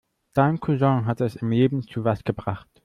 Dein Cousin hat es im Leben zu was gebracht.